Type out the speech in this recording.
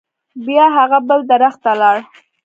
بیا هغه بل درخت ته لاړ.